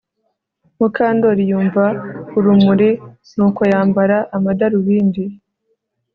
Mukandoli yumva urumuri nuko yambara amadarubindi